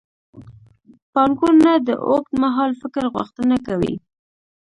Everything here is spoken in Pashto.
پانګونه د اوږدمهال فکر غوښتنه کوي.